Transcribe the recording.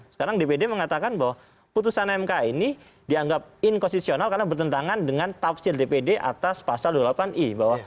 sekarang dpd mengatakan bahwa putusan mk ini dianggap inkonstitusional karena bertentangan dengan tafsir dpd atas pasal dua puluh delapan i bahwa